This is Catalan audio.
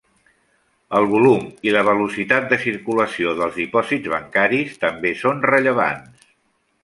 El volum i la velocitat de circulació dels dipòsits bancaris també són rellevants.